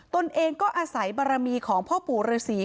ตนเองก็อาศัยบารมีของพ่อปู่ฤษี